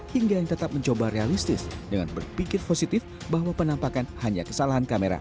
hingga yang tetap mencoba realistis dengan berpikir positif bahwa penampakan hanya kesalahan kamera